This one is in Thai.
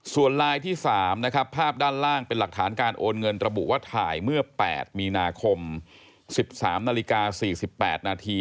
ส่วนลายที่๓นะครับภาพด้านล่างเป็นหลักฐานการโอนเงินระบุว่าถ่ายเมื่อ๘มีนาคม๑๓นาฬิกา๔๘นาที